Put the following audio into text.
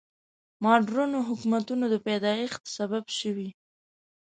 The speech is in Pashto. مډرنو حکومتونو د پیدایښت سبب شوي.